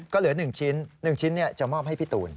ก็เหลือ๑ชิ้น๑ชิ้นจะมอบให้พี่ตูน